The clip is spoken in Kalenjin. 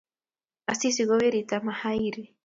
Asisi ko weritab Mahiri